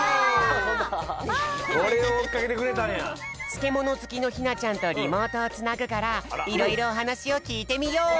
つけものずきのひなちゃんとリモートをつなぐからいろいろおはなしをきいてみよう。